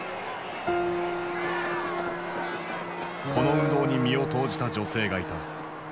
この運動に身を投じた女性がいた。